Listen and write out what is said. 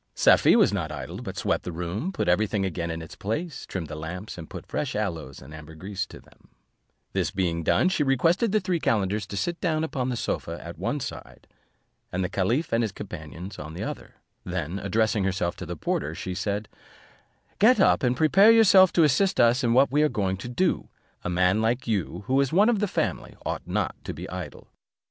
Safie was not idle, but swept the room, put every thing again in its place, trimmed the lamps, and put fresh aloes and ambergris to them; this being done, she requested the three calenders to sit down upon the sofa at one side, and the caliph with his companions on the other: then addressing herself to the porter, she said, "Get up, and prepare yourself to assist us in what we are going to do; a man like you, who is one of the family, ought not to be idle."